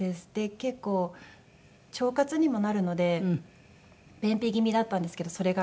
結構腸活にもなるので便秘気味だったんですけどそれが治ったりとかして。